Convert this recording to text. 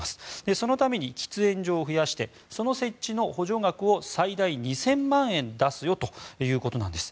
そのために喫煙所を増やして補助額を最大２０００万円出すよということなんです。